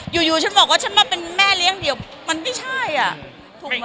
อยู่ฉันบอกว่าฉันมาเป็นแม่เลี้ยงเดี่ยวมันไม่ใช่อ่ะถูกไหม